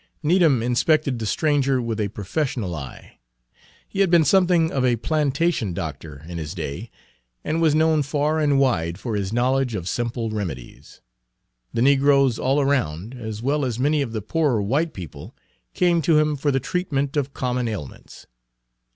Needham inspected the stranger with a professional eye. He had been something of a plantation doctor in his day, and was known far and wide for his knowledge of simple remedies. The negroes all around, as well as many of the poorer white people, came to him for the treatment of common ailments.